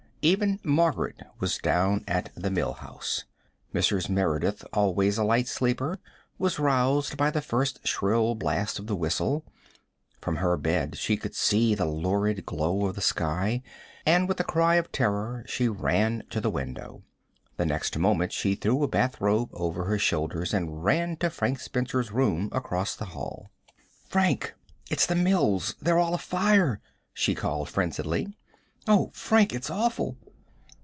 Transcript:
Even Margaret was down at the Mill House. Mrs. Merideth, always a light sleeper, was roused by the first shrill blast of the whistle. From her bed she could see the lurid glow of the sky, and with a cry of terror she ran to the window. The next moment she threw a bath robe over her shoulders and ran to Frank Spencer's room across the hall. "Frank, it's the mills they're all afire!" she called frenziedly. "Oh, Frank, it's awful!"